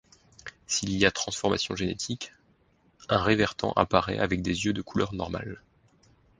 S'il y a transformation génétique, un révertant apparaît avec des yeux de couleur normale.